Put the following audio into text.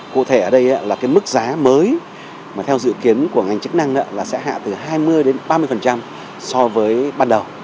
cụ thể ở đây là cái mức giá mới mà theo dự kiến của ngành chức năng là sẽ hạ từ hai mươi đến ba mươi so với ban đầu